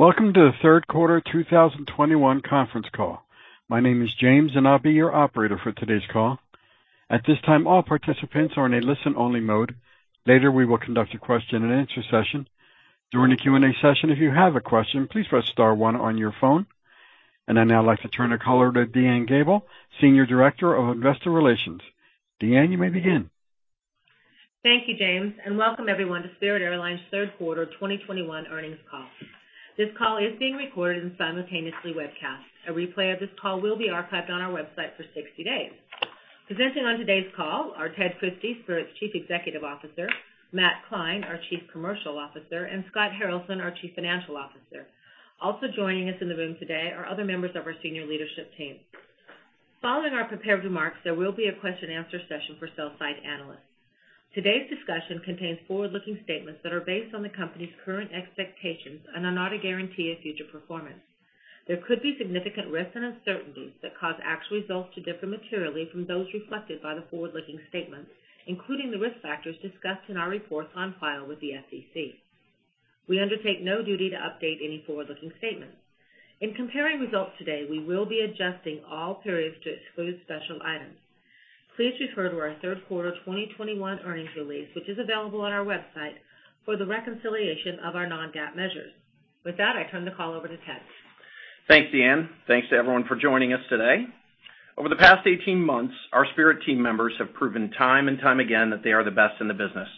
Welcome to the third quarter 2021 conference call. My name is James, and I'll be your operator for today's call. At this time, all participants are in a listen-only mode. Later, we will conduct a question-and-answer session. During the Q&A session, if you have a question, please press star one on your phone. I'd now like to turn the call over to DeAnne Gabel, Senior Director of Investor Relations. DeAnne, you may begin. Thank you, James, and welcome everyone to Spirit Airlines third quarter 2021 earnings call. This call is being recorded and simultaneously webcast. A replay of this call will be archived on our website for 60 days. Presenting on today's call are Ted Christie, Spirit Airlines' Chief Executive Officer, Matt Klein, our Chief Commercial Officer, and Scott Haralson, our Chief Financial Officer. Also joining us in the room today are other members of our senior leadership team. Following our prepared remarks, there will be a question answer session for sell-side analysts. Today's discussion contains forward-looking statements that are based on the company's current expectations and are not a guarantee of future performance. There could be significant risks and uncertainties that cause actual results to differ materially from those reflected by the forward-looking statements, including the risk factors discussed in our reports on file with the SEC. We undertake no duty to update any forward-looking statements. In comparing results today, we will be adjusting all periods to exclude special items. Please refer to our third quarter 2021 earnings release, which is available on our website, for the reconciliation of our non-GAAP measures. With that, I turn the call over to Ted. Thanks, DeAnne. Thanks to everyone for joining us today. Over the past 18 months, our Spirit Airlines team members have proven time and time again that they are the best in the business.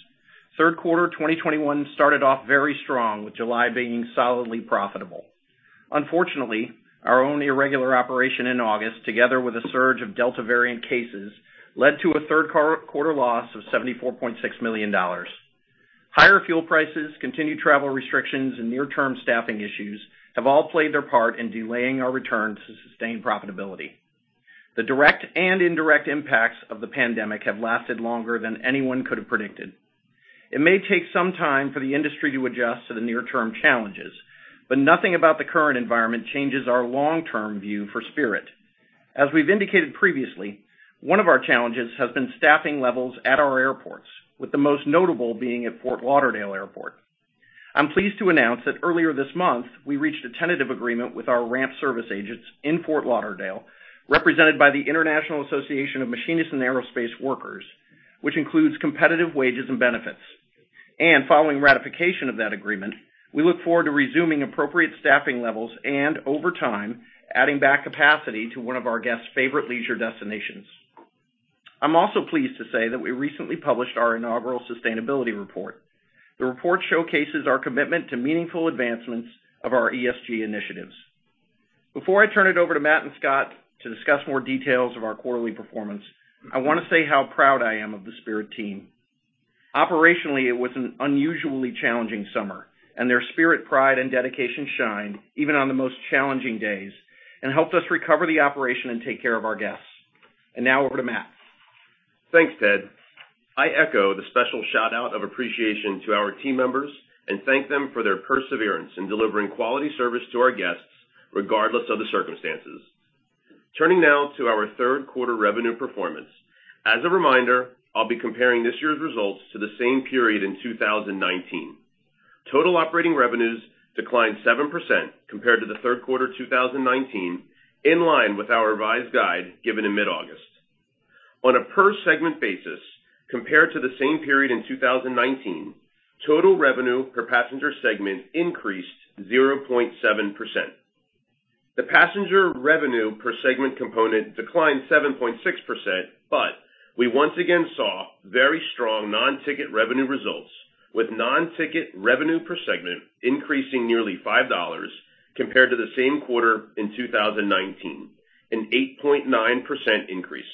Third quarter 2021 started off very strong, with July being solidly profitable. Unfortunately, our own irregular operation in August, together with a surge of Delta variant cases, led to a third quarter loss of $74.6 million. Higher fuel prices, continued travel restrictions, and near-term staffing issues have all played their part in delaying our return to sustained profitability. The direct and indirect impacts of the pandemic have lasted longer than anyone could have predicted. It may take some time for the industry to adjust to the near-term challenges, but nothing about the current environment changes our long-term view for Spirit Airlines. As we've indicated previously, one of our challenges has been staffing levels at our airports, with the most notable being at Fort Lauderdale Airport. I'm pleased to announce that earlier this month, we reached a tentative agreement with our ramp service agents in Fort Lauderdale, represented by the International Association of Machinists and Aerospace Workers, which includes competitive wages and benefits. Following ratification of that agreement, we look forward to resuming appropriate staffing levels and over time, adding back capacity to one of our guests' favorite leisure destinations. I'm also pleased to say that we recently published our inaugural sustainability report. The report showcases our commitment to meaningful advancements of our ESG initiatives. Before I turn it over to Matt and Scott to discuss more details of our quarterly performance, I wanna say how proud I am of the Spirit Airlines team. Operationally, it was an unusually challenging summer, and their spirit, pride, and dedication shined even on the most challenging days and helped us recover the operation and take care of our guests. Now over to Matt. Thanks, Ted. I echo the special shout-out of appreciation to our team members and thank them for their perseverance in delivering quality service to our guests regardless of the circumstances. Turning now to our third quarter revenue performance. As a reminder, I'll be comparing this year's results to the same period in 2019. Total operating revenues declined 7% compared to the third quarter 2019, in line with our revised guide given in mid-August. On a per segment basis, compared to the same period in 2019, total revenue per passenger segment increased 0.7%. The passenger revenue per segment component declined 7.6%, but we once again saw very strong non-ticket revenue results with non-ticket revenue per segment increasing nearly $5 compared to the same quarter in 2019, an 8.9% increase.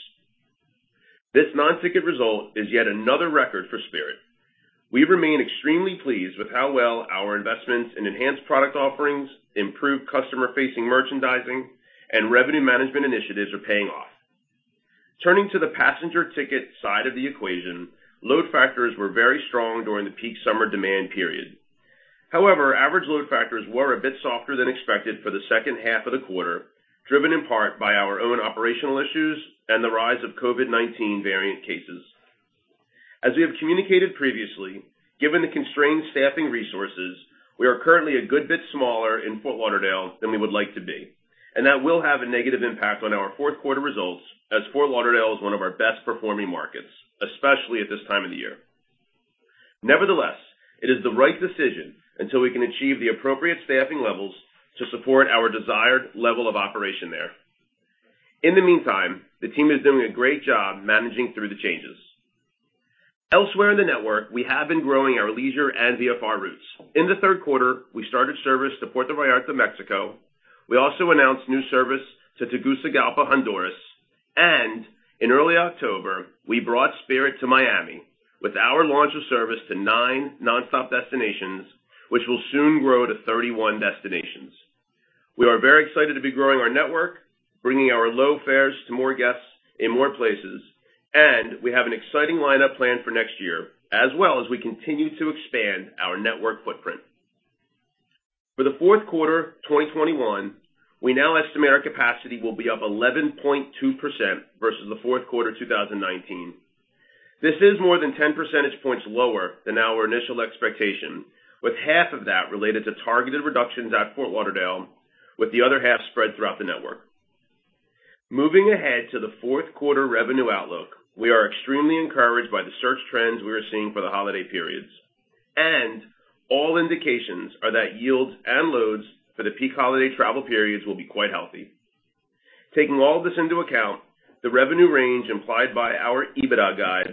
This non-ticket result is yet another record for Spirit Airlines. We remain extremely pleased with how well our investments in enhanced product offerings, improved customer-facing merchandising, and revenue management initiatives are paying off. Turning to the passenger ticket side of the equation, load factors were very strong during the peak summer demand period. However, average load factors were a bit softer than expected for the second half of the quarter, driven in part by our own operational issues and the rise of COVID-19 variant cases. As we have communicated previously, given the constrained staffing resources, we are currently a good bit smaller in Fort Lauderdale than we would like to be, and that will have a negative impact on our fourth quarter results as Fort Lauderdale is one of our best performing markets, especially at this time of the year. Nevertheless, it is the right decision until we can achieve the appropriate staffing levels to support our desired level of operation there. In the meantime, the team is doing a great job managing through the changes. Elsewhere in the network, we have been growing our leisure and VFR routes. In the third quarter, we started service to Puerto Vallarta, Mexico. We also announced new service to Tegucigalpa, Honduras. In early October, we brought Spirit Airlines to Miami with our launch of service to nine non-stop destinations, which will soon grow to 31 destinations. We are very excited to be growing our network, bringing our low fares to more guests in more places, and we have an exciting lineup planned for next year as well as we continue to expand our network footprint. For the fourth quarter 2021, we now estimate our capacity will be up 11.2% versus the fourth quarter 2019. This is more than 10 percentage points lower than our initial expectation, with half of that related to targeted reductions at Fort Lauderdale, with the other half spread throughout the network. Moving ahead to the fourth quarter revenue outlook, we are extremely encouraged by the search trends we are seeing for the holiday periods. All indications are that yields and loads for the peak holiday travel periods will be quite healthy. Taking all this into account, the revenue range implied by our EBITDA guide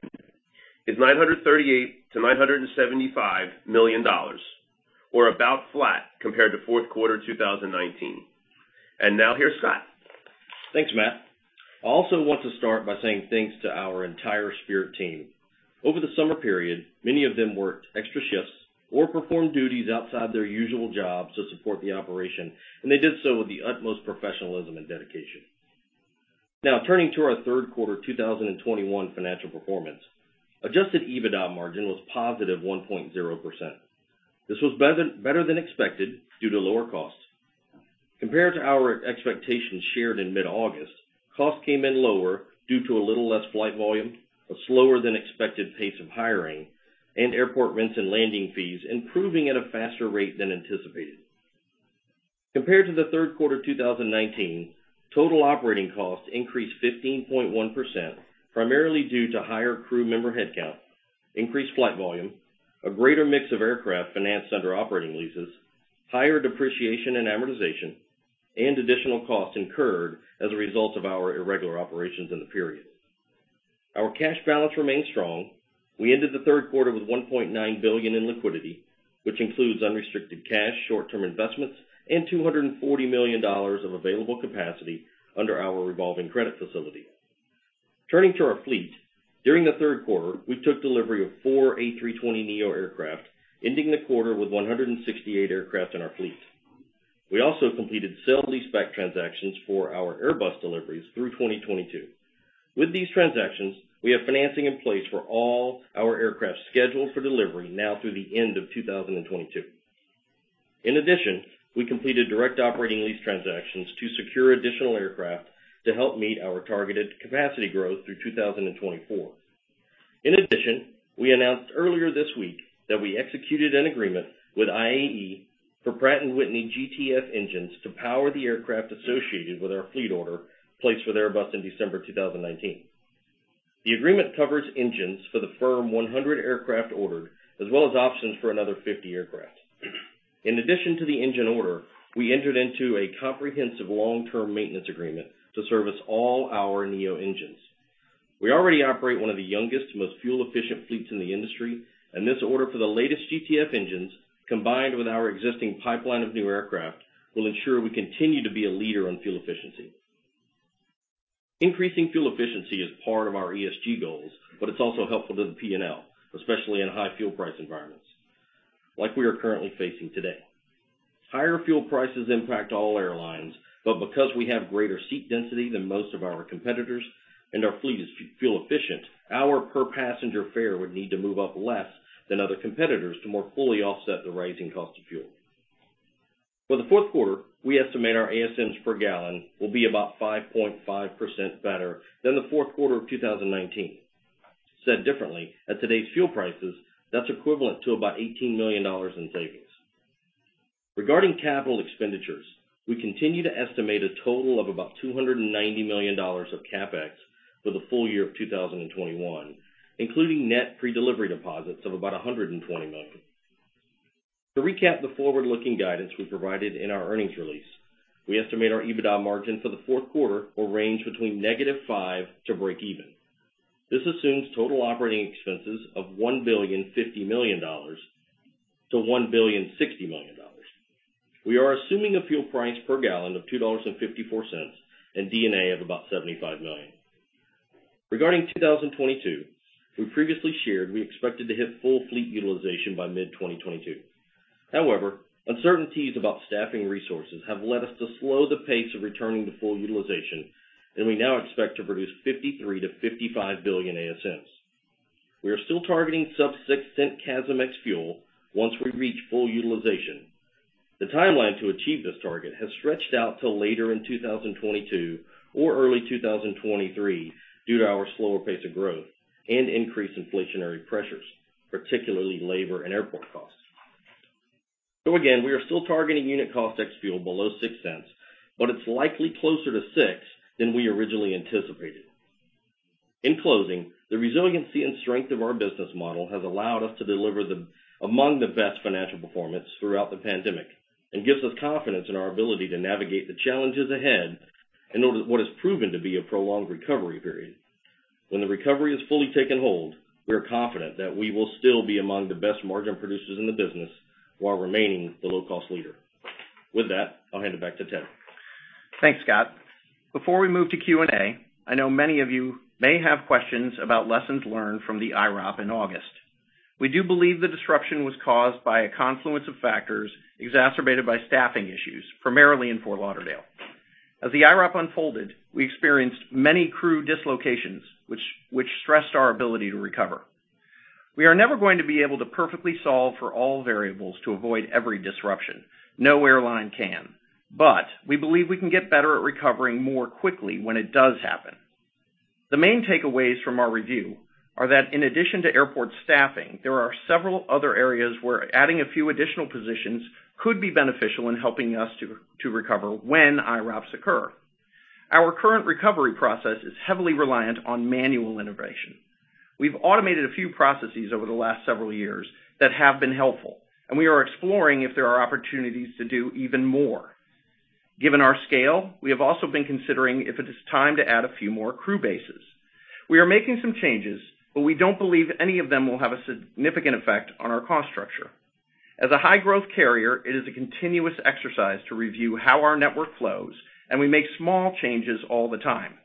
is $938 million-$975 million, or about flat compared to fourth quarter 2019. Now here's Scott. Thanks, Matt. I also want to start by saying thanks to our entire Spirit Airlines team. Over the summer period, many of them worked extra shifts or performed duties outside their usual jobs to support the operation, and they did so with the utmost professionalism and dedication. Now, turning to our third quarter 2021 financial performance. Adjusted EBITDA margin was positive 1.0%. This was better than expected due to lower costs. Compared to our expectations shared in mid-August, costs came in lower due to a little less flight volume, a slower than expected pace of hiring, and airport rents and landing fees improving at a faster rate than anticipated. Compared to the third quarter 2019, total operating costs increased 15.1%, primarily due to higher crew member headcount, increased flight volume, a greater mix of aircraft financed under operating leases, higher depreciation and amortization, and additional costs incurred as a result of our irregular operations in the period. Our cash balance remained strong. We ended the third quarter with $1.9 billion in liquidity, which includes unrestricted cash, short-term investments, and $240 million of available capacity under our revolving credit facility. Turning to our fleet. During the third quarter, we took delivery of four A320neo aircraft, ending the quarter with 168 aircraft in our fleet. We also completed sale-leaseback transactions for our Airbus deliveries through 2022. With these transactions, we have financing in place for all our aircraft scheduled for delivery now through the end of 2022. In addition, we completed direct operating lease transactions to secure additional aircraft to help meet our targeted capacity growth through 2024. In addition, we announced earlier this week that we executed an agreement with IAE for Pratt & Whitney GTF engines to power the aircraft associated with our fleet order placed with Airbus in December 2019. The agreement covers engines for the firm 100 aircraft ordered, as well as options for another 50 aircraft. In addition to the engine order, we entered into a comprehensive long-term maintenance agreement to service all our neo engines. We already operate one of the youngest, most fuel-efficient fleets in the industry, and this order for the latest GTF engines, combined with our existing pipeline of new aircraft, will ensure we continue to be a leader on fuel efficiency. Increasing fuel efficiency is part of our ESG goals, but it's also helpful to the P&L, especially in high fuel price environments like we are currently facing today. Higher fuel prices impact all airlines, but because we have greater seat density than most of our competitors and our fleet is fuel efficient, our per passenger fare would need to move up less than other competitors to more fully offset the rising cost of fuel. For the fourth quarter, we estimate our ASMs per gallon will be about 5.5% better than the fourth quarter of 2019. Said differently, at today's fuel prices, that's equivalent to about $18 million in savings. Regarding capital expenditures, we continue to estimate a total of about $290 million of CapEx for the full year of 2021, including net pre-delivery deposits of about $120 million. To recap the forward-looking guidance, we provided in our earnings release, we estimate our EBITDA margin for the fourth quarter will range between -5% to breakeven. This assumes total operating expenses of $1.05 billion-$1.06 billion. We are assuming a fuel price per gallon of $2.54 and D&A of about $75 million. Regarding 2022, we previously shared we expected to hit full fleet utilization by mid-2022. However, uncertainties about staffing resources have led us to slow the pace of returning to full utilization, and we now expect to produce 53-55 billion ASMs. We are still targeting sub-$0.06 CASM ex-fuel once we reach full utilization. The timeline to achieve this target has stretched out till later in 2022 or early 2023 due to our slower pace of growth and increased inflationary pressures, particularly labor and airport costs. We are still targeting unit cost ex-fuel below $0.06, but it's likely closer to $0.06 than we originally anticipated. In closing, the resiliency and strength of our business model has allowed us to deliver among the best financial performance throughout the pandemic and gives us confidence in our ability to navigate the challenges ahead in what has proven to be a prolonged recovery period. When the recovery has fully taken hold, we are confident that we will still be among the best margin producers in the business while remaining the low-cost leader. With that, I'll hand it back to Ted. Thanks, Scott. Before we move to Q&A, I know many of you may have questions about lessons learned from the IROP in August. We do believe the disruption was caused by a confluence of factors exacerbated by staffing issues, primarily in Fort Lauderdale. As the IROP unfolded, we experienced many crew dislocations, which stressed our ability to recover. We are never going to be able to perfectly solve for all variables to avoid every disruption. No airline can. We believe we can get better at recovering more quickly when it does happen. The main takeaways from our review are that in addition to airport staffing, there are several other areas where adding a few additional positions could be beneficial in helping us to recover when IROPs occur. Our current recovery process is heavily reliant on manual integration. We've automated a few processes over the last several years that have been helpful, and we are exploring if there are opportunities to do even more. Given our scale, we have also been considering if it is time to add a few more crew bases. We are making some changes, but we don't believe any of them will have a significant effect on our cost structure. As a high growth carrier, it is a continuous exercise to review how our network flows, and we make small changes all the time.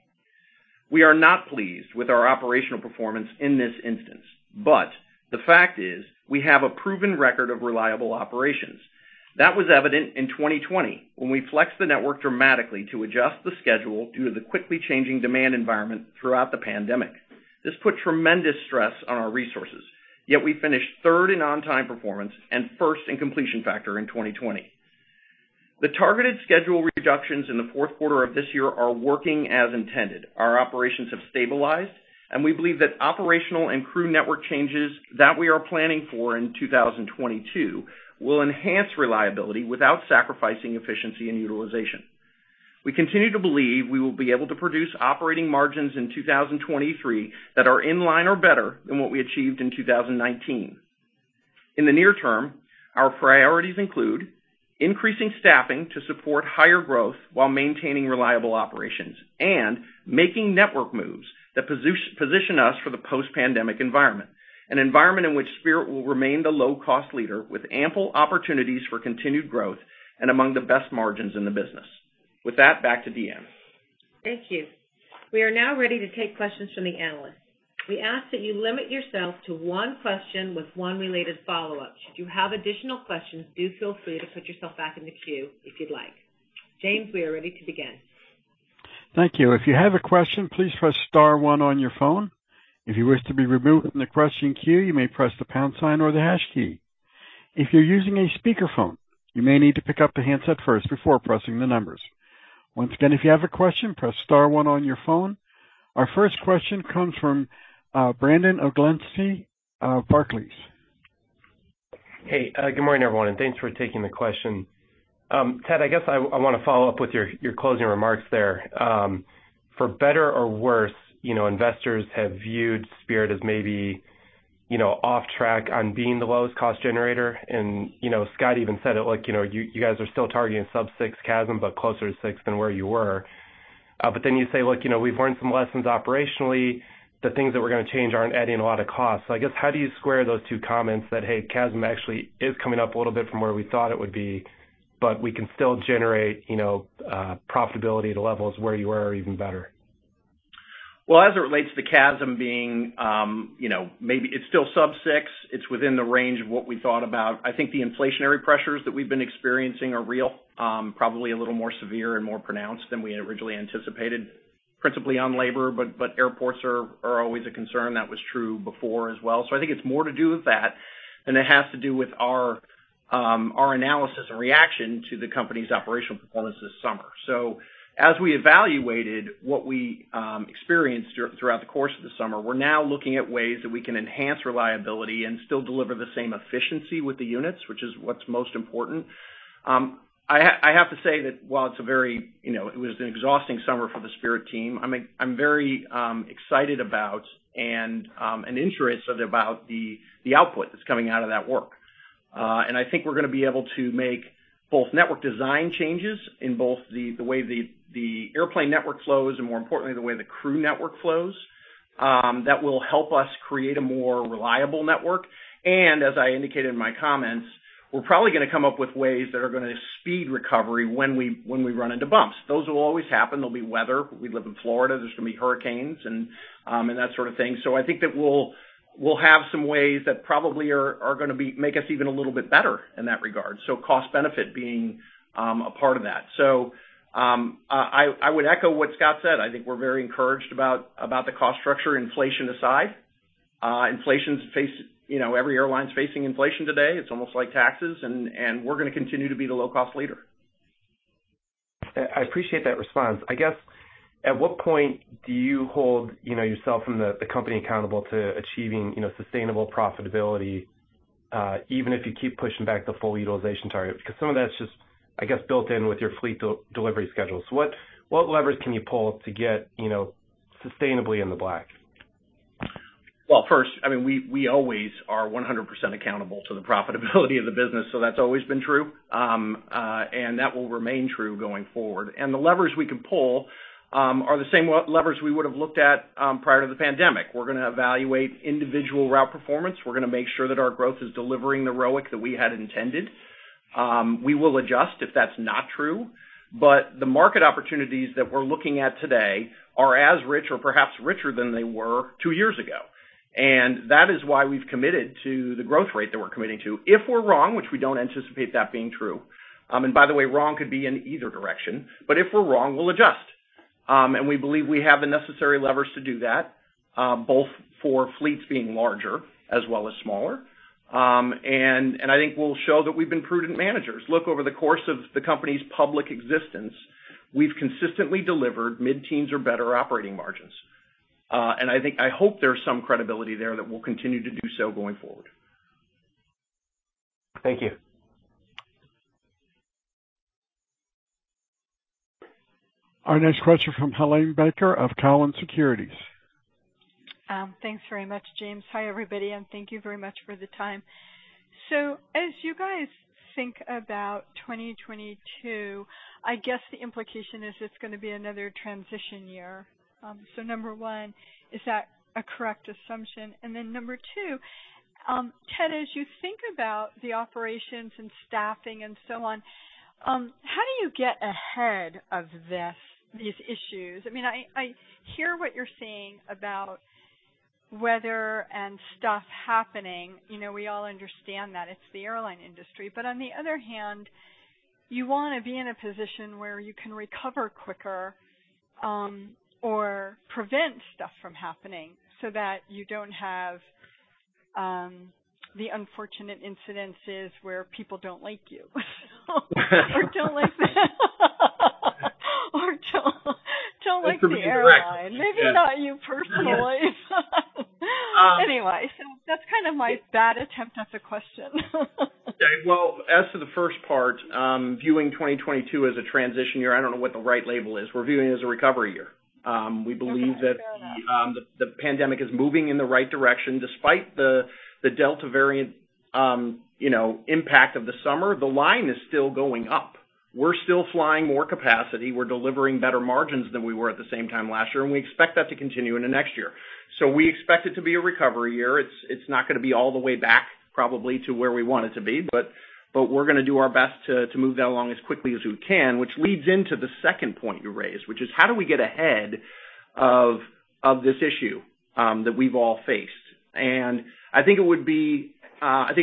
We are not pleased with our operational performance in this instance, but the fact is we have a proven record of reliable operations. That was evident in 2020 when we flexed the network dramatically to adjust the schedule due to the quickly changing demand environment throughout the pandemic. This put tremendous stress on our resources. Yet we finished third in on-time performance and first in completion factor in 2020. The targeted schedule reductions in the fourth quarter of this year are working as intended. Our operations have stabilized, and we believe that operational and crew network changes that we are planning for in 2022 will enhance reliability without sacrificing efficiency and utilization. We continue to believe we will be able to produce operating margins in 2023 that are in line or better than what we achieved in 2019. In the near term, our priorities include increasing staffing to support higher growth while maintaining reliable operations and making network moves that position us for the post-pandemic environment, an environment in which Spirit Airlines will remain the low-cost leader with ample opportunities for continued growth and among the best margins in the business. With that, back to DeAnne. Thank you. We are now ready to take questions from the analysts. We ask that you limit yourself to one question with one related follow-up. Should you have additional questions, do feel free to put yourself back in the queue if you'd like. James, we are ready to begin. Thank you, if you have a question, please press star one on your phone. If you wish to be removed on the question queue you may press the pound sign or the hash key. If you are using a speaker phone, you may need to pick up the handset first before pressing the numbers. Once done and you have a question press star one on your phone. Our first question comes from Brandon Oglenski, Barclays. Hey, good morning, everyone, and thanks for taking the question. Ted, I guess I wanna follow up with your closing remarks there. For better or worse, you know, investors have viewed Spirit as maybe, you know, off track on being the lowest cost generator. You know, Scott even said it like, you know, you guys are still targeting sub-$0.06 CASM, but closer to $0.06 than where you were. Then you say, look, you know, we've learned some lessons operationally. The things that we're gonna change aren't adding a lot of cost. I guess, how do you square those two comments that, hey, CASM actually is coming up a little bit from where we thought it would be, but we can still generate, you know, profitability to levels where you were or even better? Well, as it relates to CASM being, you know, maybe it's still sub-$0.06. It's within the range of what we thought about. I think the inflationary pressures that we've been experiencing are real, probably a little more severe and more pronounced than we had originally anticipated, principally on labor, but airports are always a concern. That was true before as well. I think it's more to do with that than it has to do with our analysis and reaction to the company's operational performance this summer. As we evaluated what we experienced throughout the course of the summer, we're now looking at ways that we can enhance reliability and still deliver the same efficiency with the units, which is what's most important. I have to say that while it's a very, you know, it was an exhausting summer for the Spirit Airlines team, I'm very excited about and interested about the output that's coming out of that work. I think we're gonna be able to make both networks design changes in both the way the airplane network flows and more importantly, the way the crew network flows that will help us create a more reliable network. As I indicated in my comments, we're probably gonna come up with ways that are gonna speed recovery when we run into bumps. Those will always happen. There'll be weather. We live in Florida, there's gonna be hurricanes and that sort of thing. I think that we'll have some ways that probably are gonna make us even a little bit better in that regard. Cost benefit being a part of that. I would echo what Scott said. I think we're very encouraged about the cost structure inflation aside. Inflation's facing you know, every airline's facing inflation today. It's almost like taxes and we're gonna continue to be the low-cost leader. I appreciate that response. I guess, at what point do you hold, you know, yourself and the company accountable to achieving, you know, sustainable profitability, even if you keep pushing back the full utilization target? Because some of that's just, I guess, built in with your fleet de-delivery schedule. What levers can you pull to get, you know, sustainably in the black? Well, I mean, we always are 100% accountable to the profitability of the business, so that's always been true. That will remain true going forward. The levers we can pull are the same levers we would have looked at prior to the pandemic. We're gonna evaluate individual route performance. We're gonna make sure that our growth is delivering the ROIC that we had intended. We will adjust if that's not true, but the market opportunities that we're looking at today are as rich or perhaps richer than they were two years ago. That is why we've committed to the growth rate that we're committing to. If we're wrong, which we don't anticipate that being true, and by the way, wrong could be in either direction. If we're wrong, we'll adjust. We believe we have the necessary levers to do that, both for fleets being larger as well as smaller. I think we'll show that we've been prudent managers. Look, over the course of the company's public existence, we've consistently delivered mid-teens or better operating margins. I think I hope there's some credibility there that we'll continue to do so going forward. Thank you. Our next question from Helane Becker of Cowen. Thanks very much, James. Hi, everybody, and thank you very much for the time. As you guys think about 2022, I guess the implication is it's gonna be another transition year. Number one, is that a correct assumption? Then number two, Ted, as you think about the operations and staffing and so on, how do you get ahead of these issues? I mean, I hear what you're saying about weather and stuff happening. You know, we all understand that, it's the airline industry. But on the other hand, you wanna be in a position where you can recover quicker or prevent stuff from happening so that you don't have the unfortunate incidences where people don't like you or don't like them or don't like the airline. That's gonna be direct. Yes. Maybe not you personally. Anyway, that's kind of my bad attempt at a question. Okay. Well, as to the first part, viewing 2022 as a transition year, I don't know what the right label is. We're viewing it as a recovery year. We believe- Okay. Fair enough.... that the pandemic is moving in the right direction. Despite the Delta variant, you know, impact of the summer, the line is still going up. We're still flying more capacity, we're delivering better margins than we were at the same time last year, and we expect that to continue into next year. We expect it to be a recovery year. It's not gonna be all the way back probably to where we want it to be, but we're gonna do our best to move that along as quickly as we can, which leads into the second point you raised, which is how do we get ahead of this issue that we've all faced? I think I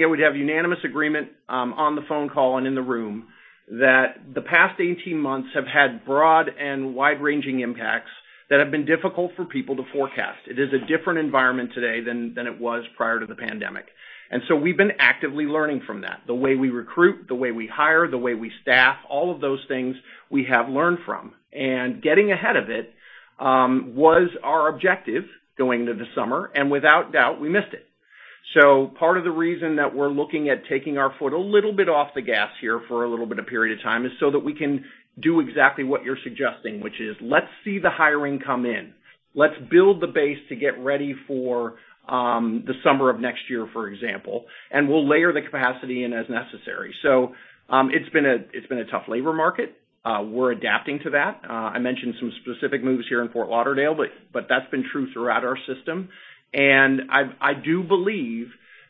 would have unanimous agreement on the phone call and in the room that the past 18 months have had broad and wide-ranging impacts that have been difficult for people to forecast. It is a different environment today than it was prior to the pandemic. We've been actively learning from that. The way we recruit, the way we hire, the way we staff, all of those things we have learned from. Getting ahead of it was our objective going into the summer, and without doubt, we missed it. Part of the reason that we're looking at taking our foot a little bit off the gas here for a little bit of period of time is so that we can do exactly what you're suggesting, which is, let's see the hiring come in. Let's build the base to get ready for the summer of next year, for example, and we'll layer the capacity in as necessary. It's been a tough labor market. We're adapting to that. I mentioned some specific moves here in Fort Lauderdale, but that's been true throughout our system. I do believe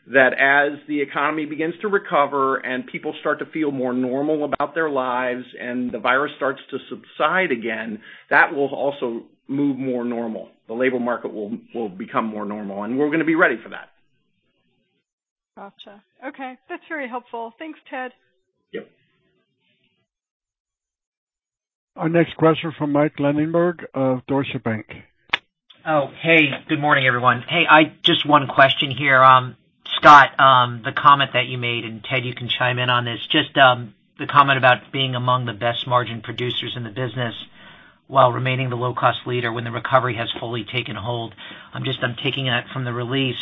that as the economy begins to recover and people start to feel more normal about their lives and the virus starts to subside again, that will also become more normal. The labor market will become more normal, and we're gonna be ready for that. Gotcha. Okay. That's very helpful. Thanks, Ted. Yep. Our next question from Mike Linenberg of Deutsche Bank. Oh, hey, good morning, everyone. Hey, I just have one question here. Scott, the comment that you made, and Ted, you can chime in on this, just the comment about being among the best margin producers in the business while remaining the low-cost leader when the recovery has fully taken hold. I'm just taking it from the release.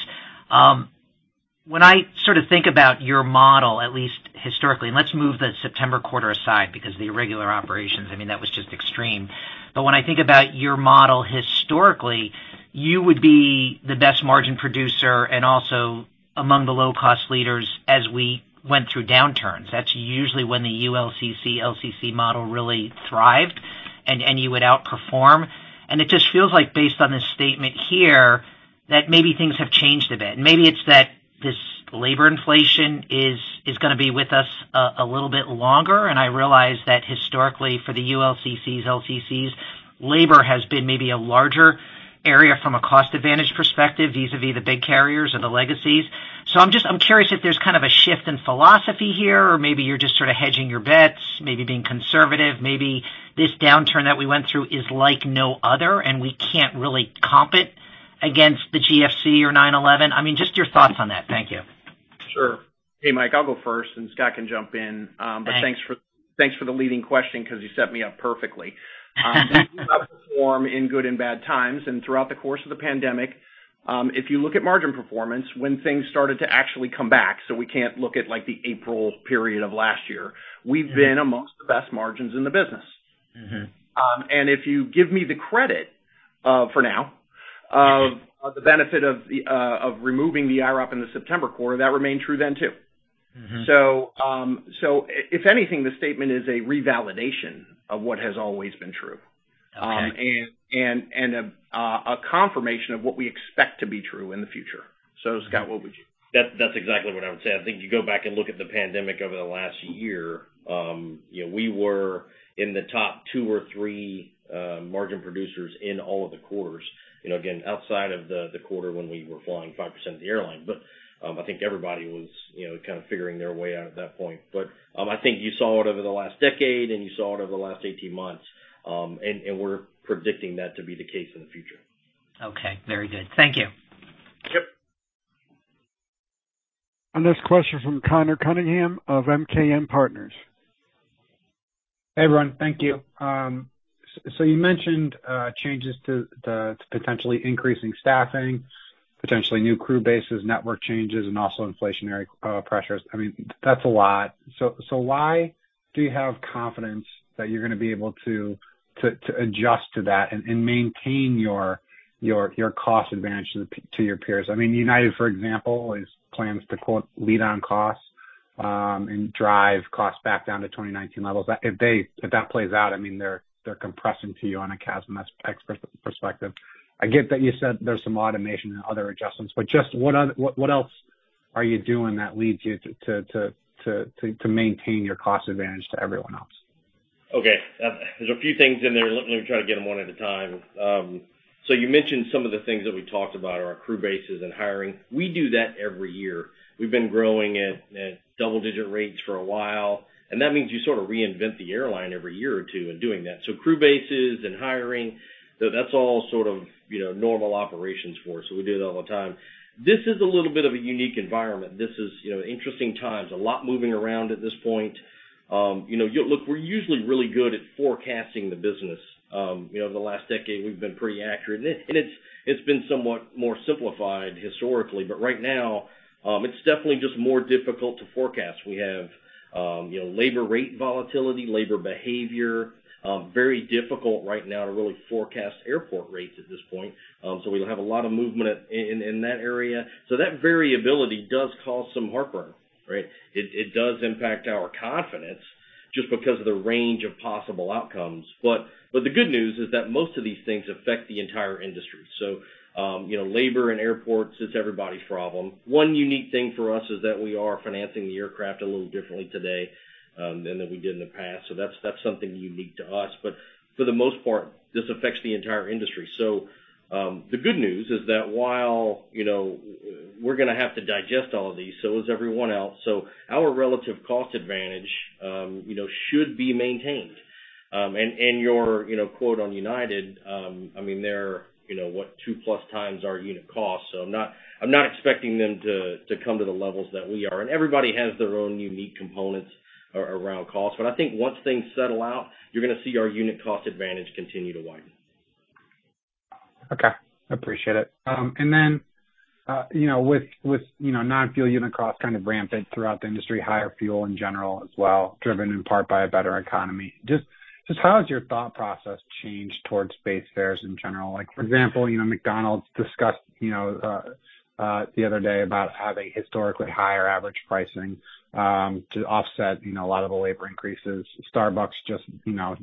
When I sort of think about your model, at least historically, and let's move the September quarter aside because the irregular operations, I mean that was just extreme. When I think about your model historically, you would be the best margin producer and also among the low-cost leaders as we went through downturns. That's usually when the ULCC, LCC model really thrived and you would outperform. It just feels like based on this statement here that maybe things have changed a bit. Maybe it's that this labor inflation is gonna be with us a little bit longer. I realize that historically for the ULCCs, LCCs, labor has been maybe a larger area from a cost advantage perspective vis-à-vis the big carriers or the legacies. I'm curious if there's kind of a shift in philosophy here, or maybe you're just sort of hedging your bets, maybe being conservative. Maybe this downturn that we went through is like no other, and we can't really comp it against the GFC or 9/11. I mean, just your thoughts on that. Thank you. Sure. Hey, Mike, I'll go first, and Scott can jump in. But thanks for the leading question 'cause you set me up perfectly. We perform in good and bad times. Throughout the course of the pandemic, if you look at margin performance when things started to actually come back, we can't look at, like, the April period of last year, we've been amongst the best margins in the business. Mm-hmm. If you give me the credit for now of the benefit of removing the IROP in the September quarter, that remained true then too. Mm-hmm. If anything, the statement is a revalidation of what has always been true. Okay. a confirmation of what we expect to be true in the future. Scott, what would you? That's exactly what I would say. I think you go back and look at the pandemic over the last year, you know, we were in the top 2 or 3 margin producers in all of the quarters. You know, again, outside of the quarter when we were flying 5% of the airline. I think everybody was, you know, kind of figuring their way out at that point. I think you saw it over the last decade and you saw it over the last 18 months. We're predicting that to be the case in the future. Okay. Very good. Thank you. Yep. Our next question from Conor Cunningham of MKM Partners. Hey, everyone. Thank you. So you mentioned changes to potentially increasing staffing, potentially new crew bases, network changes, and also inflationary pressures. I mean, that's a lot. Why do you have confidence that you're gonna be able to adjust to that and maintain your cost advantage to your peers? I mean, United, for example, plans to quote lead on costs and drive costs back down to 2019 levels. If that plays out, I mean, they're compressing to you on a CASM ex-fuel perspective. I get that you said there's some automation and other adjustments, but just what else are you doing that leads you to maintain your cost advantage to everyone else? Okay. There're a few things in there. Let me try to get them one at a time. You mentioned some of the things that we talked about are our crew bases and hiring. We do that every year. We've been growing at double-digit rates for a while, and that means you sort of reinvent the airline every year or two in doing that. Crew bases and hiring, that's all sort of, you know, normal operations for us, so we do it all the time. This is a little bit of a unique environment. This is, you know, interesting times, a lot moving around at this point. You know, look, we're usually really good at forecasting the business. You know, the last decade we've been pretty accurate. It's been somewhat more simplified historically, but right now, it's definitely just more difficult to forecast. We have, you know, labor rate volatility, labor behavior, very difficult right now to really forecast airport rates at this point. We have a lot of movement in that area. That variability does cause some heartburn, right? It does impact our confidence just because of the range of possible outcomes. The good news is that most of these things affect the entire industry. You know, labor and airports, it's everybody's problem. One unique thing for us is that we are financing the aircraft a little differently today than we did in the past. That's something unique to us. For the most part, this affects the entire industry. The good news is that while, you know, we're gonna have to digest all of these, so is everyone else, so our relative cost advantage, you know, should be maintained. Your, you know, quote on United, I mean, they're, you know what, two plus times our unit cost. I'm not expecting them to come to the levels that we are. Everybody has their own unique components around cost. I think once things settle out, you're gonna see our unit cost advantage continue to widen. Okay. Appreciate it. You know, with you know, non-fuel unit costs kind of rampant throughout the industry, higher fuel in general as well, driven in part by a better economy, just how has your thought process changed towards base fares in general? Like for example, you know, McDonald's discussed, you know, the other day about having historically higher average pricing, to offset, you know, a lot of the labor increases. Starbucks just, you know,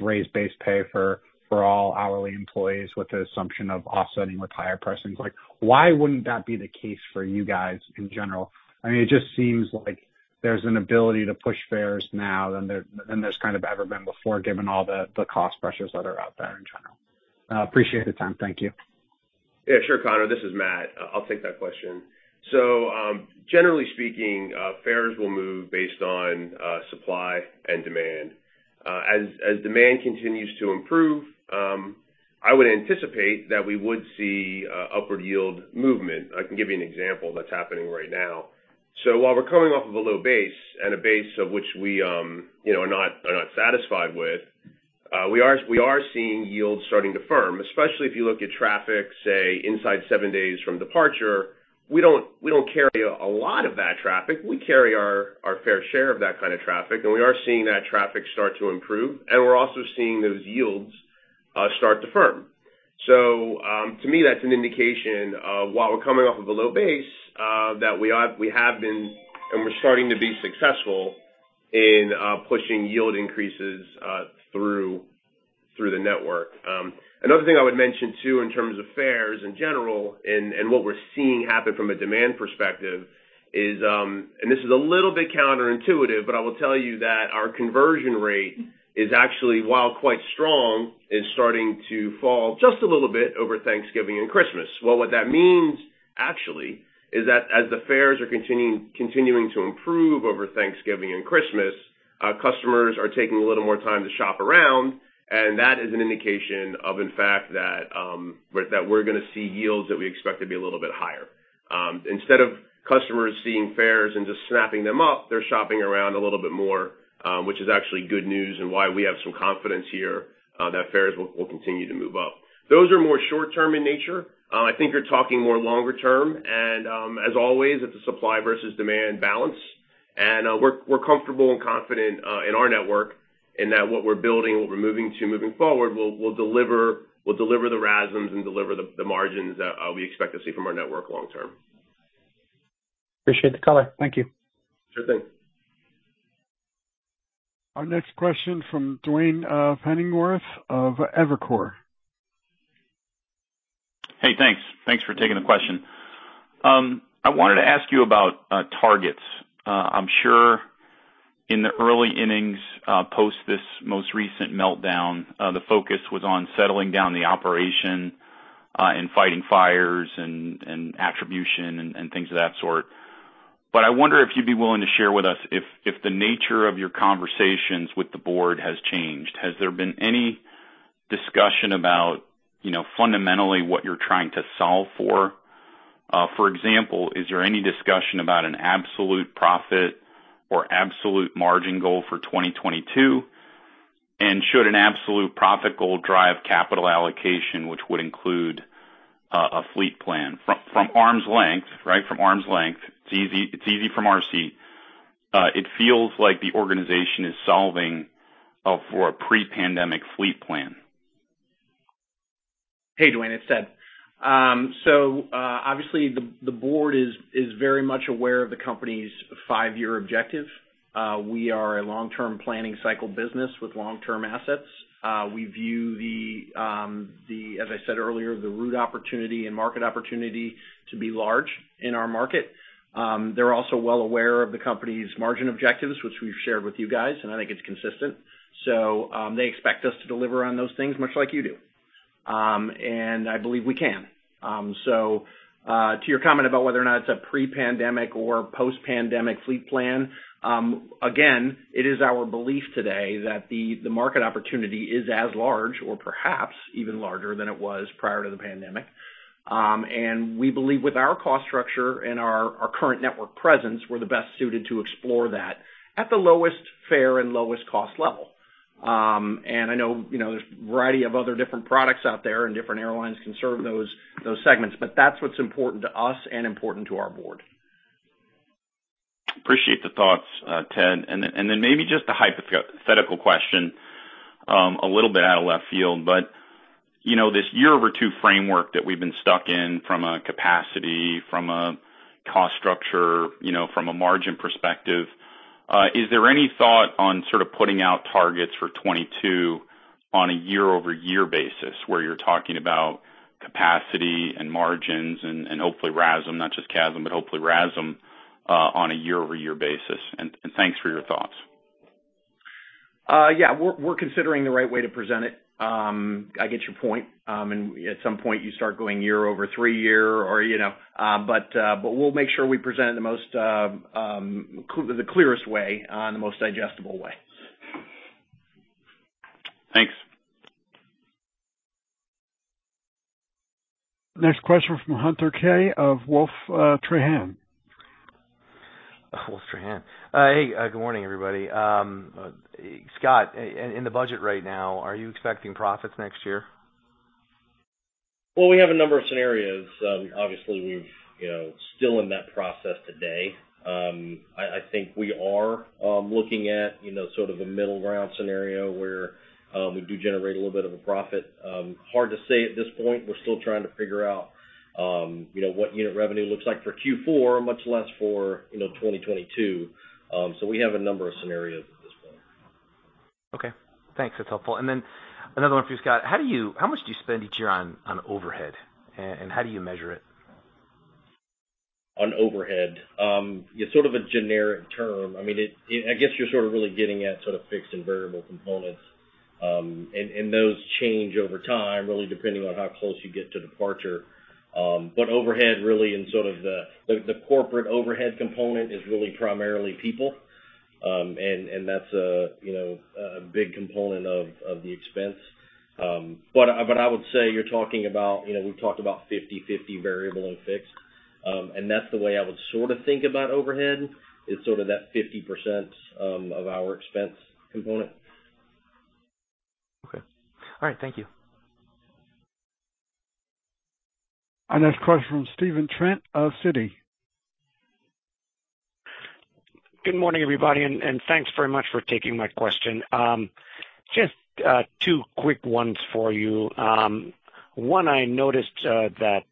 raised base pay for all hourly employees with the assumption of offsetting with higher pricing. Like, why wouldn't that be the case for you guys in general? I mean, it just seems like there's an ability to push fares now than there's kind of ever been before, given all the cost pressures that are out there in general. Appreciate the time. Thank you. Yeah, sure, Conor. This is Matt. I'll take that question. Generally speaking, fares will move based on supply and demand. As demand continues to improve, I would anticipate that we would see upward yield movement. I can give you an example that's happening right now. While we're coming off of a low base and a base of which we, you know, are not satisfied with, we are seeing yields starting to firm, especially if you look at traffic, say, inside seven days from departure. We don't carry a lot of that traffic. We carry our fair share of that kind of traffic, and we are seeing that traffic starts to improve, and we're also seeing those yields start to firm. To me, that's an indication of while we're coming off of a low base, that we have been and we're starting to be successful in pushing yield increases through the network. Another thing I would mention too, in terms of fares in general and what we're seeing happen from a demand perspective is this is a little bit counterintuitive, but I will tell you that our conversion rate is actually, while quite strong, starting to fall just a little bit over Thanksgiving and Christmas. Well, what that means actually is that as the fares are continuing to improve over Thanksgiving and Christmas, customers are taking a little more time to shop around, and that is an indication of, in fact, that that we're gonna see yields that we expect to be a little bit higher. Instead of customers seeing fares and just snapping them up, they're shopping around a little bit more, which is actually good news and why we have some confidence here that fares will continue to move up. Those are more short-term in nature. I think you're talking more longer term and, as always, it's a supply versus demand balance. We're comfortable and confident in our network and that what we're building and what we're moving to moving forward will deliver the RASMs and deliver the margins we expect to see from our network long term. Appreciate the color. Thank you. Sure thing. Our next question from Duane Pfennigwerth of Evercore. Hey, thanks. Thanks for taking the question. I wanted to ask you about targets. I'm sure in the early innings post this most recent meltdown the focus was on settling down the operation and fighting fires and attribution and things of that sort. I wonder if you'd be willing to share with us if the nature of your conversations with the board has changed. Has there been any discussion about, you know, fundamentally what you're trying to solve for? For example, is there any discussion about an absolute profit or absolute margin goal for 2022? Should an absolute profit goal drive capital allocation, which would include a fleet plan? From arm's length, right? From arm's length, it's easy from our seat. It feels like the organization is solving for a pre-pandemic fleet plan. Hey, Duane, it's Ted. Obviously, the board is very much aware of the company's five-year objective. We are a long-term planning cycle business with long-term assets. We view, as I said earlier, the route opportunity and market opportunity to be large in our market. They're also well aware of the company's margin objectives, which we've shared with you guys, and I think it's consistent. They expect us to deliver on those things much like you do. I believe we can. To your comment about whether or not it's a pre-pandemic or post-pandemic fleet plan, again, it is our belief today that the market opportunity is as large or perhaps even larger than it was prior to the pandemic. We believe with our cost structure and our current network presence, we're the best suited to explore that at the lowest fare and lowest cost level. I know, you know, there's a variety of other different products out there, and different airlines can serve those segments, but that's what's important to us and important to our board. Appreciate the thoughts, Ted. Then maybe just a hypothetical question, a little bit out of left field, but you know, this year over two framework that we've been stuck in from a capacity, from a cost structure, you know, from a margin perspective, is there any thought on sort of putting out targets for 2022 on a year-over-year basis where you're talking about capacity and margins and hopefully RASM, not just CASM, but hopefully RASM, on a year-over-year basis? Thanks for your thoughts. Yeah. We're considering the right way to present it. I get your point. At some point, you start going year-over-three-year or, you know. We'll make sure we present it in the clearest way and the most digestible way. Thanks. Next question from Hunter Keay of Wolfe Research. Wolfe Research. Hey, good morning, everybody. Scott, in the budget right now, are you expecting profits next year? Well, we have a number of scenarios. Obviously, we've you know, still in that process today. I think we are looking at, you know, sort of a middle ground scenario where we do generate a little bit of a profit. Hard to say at this point. We're still trying to figure out, you know, what unit revenue looks like for Q4, much less for, you know, 2022. We have a number of scenarios at this point. Okay. Thanks. That's helpful. Another one for you, Scott. How much do you spend each year on overhead, and how do you measure it? On overhead. It's sort of a generic term. I mean, it I guess you're sort of really getting at sort of fixed and variable components, and those change over time, really, depending on how close you get to departure. Overhead really in sort of the corporate overhead component is really primarily people. That's a, you know, a big component of the expense. I would say you're talking about, you know, we've talked about 50/50 variable and fixed. That's the way I would sort of think about overhead, is sort of that 50% of our expense component. Okay. All right. Thank you. Our next question from Steven Trent of Citi. Good morning, everybody, and thanks very much for taking my question. Just two quick ones for you. One, I noticed that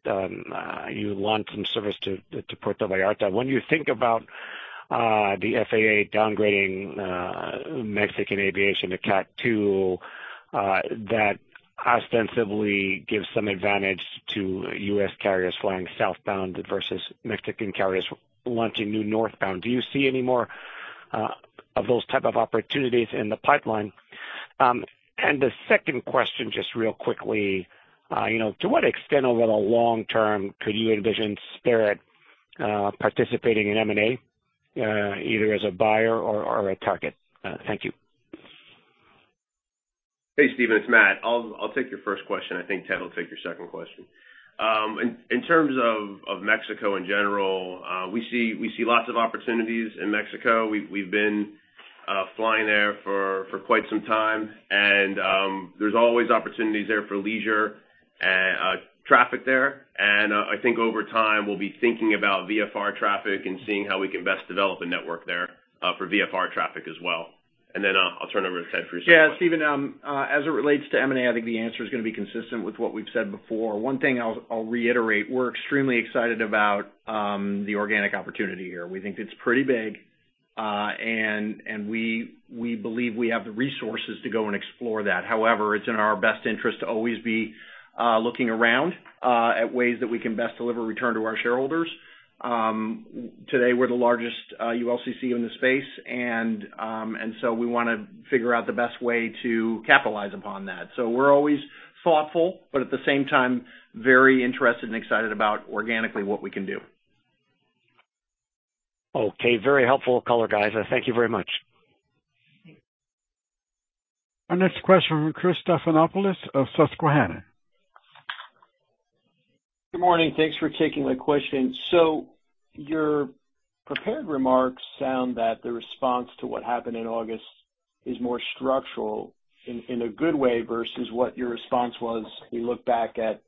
you launched some service to Puerto Vallarta. When you think about the FAA downgrading Mexican aviation to Category 2, that ostensibly gives some advantage to U.S. carriers flying southbound versus Mexican carriers launching new northbound. Do you see any more of those types of opportunities in the pipeline? The second question, just real quickly, you know, to what extent over the long term could you envision Spirit Airlines participating in M&A, either as a buyer or a target? Thank you. Hey, Steven, it's Matt. I'll take your first question. I think Ted will take your second question. In terms of Mexico in general, we see lots of opportunities in Mexico. We've been flying there for quite some time and there's always opportunities there for leisure and traffic there. I think over time, we'll be thinking about VFR traffic and seeing how we can best develop a network there for VFR traffic as well. I'll turn it over to Ted for his second question. Yeah. Steven, as it relates to M&A, I think the answer is gonna be consistent with what we've said before. One thing I'll reiterate, we're extremely excited about the organic opportunity here. We think it's pretty big, and we believe we have the resources to go and explore that. However, it's in our best interest to always be looking around at ways that we can best deliver return to our shareholders. Today we're the largest ULCC in the space and so we wanna figure out the best way to capitalize upon that. We're always thoughtful, but at the same time, very interested and excited about organically what we can do. Okay. Very helpful color, guys. Thank you very much. Our next question from Chris Stathoulopoulos of Susquehanna. Good morning. Thanks for taking my question. Your prepared remarks sound like the response to what happened in August is more structural, in a good way, versus what your response was. When we look back at